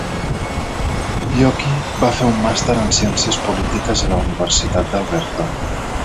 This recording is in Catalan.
Biocchi va fer un màster en ciències polítiques a la Universitat d'Alberta.